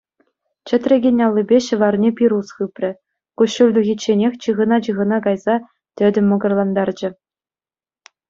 Чӗтрекен аллипе ҫӑварне пирус хыпрӗ, куҫҫуль тухичченех чыхӑна-чыхӑна кайса тӗтӗм мӑкӑрлантарчӗ.